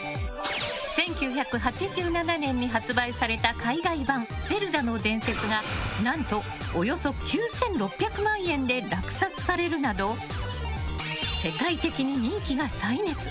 １９８７年に発売された海外版「ゼルダの冒険」が何と、およそ９６００万円で落札されるなど世界的に人気が再燃。